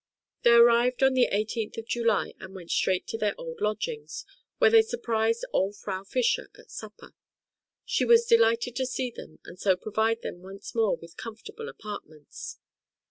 They arrived on the 18th of July, and went straight to their old lodgings, where they surprised old Frau Fischer at supper; she was delighted to see them, and to provide them once more with comfortable apartments.